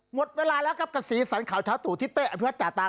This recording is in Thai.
หมดเวลาแล้วครับกับสีสันข่าวเช้าตู่ทิศเป้อภิวัตจาตา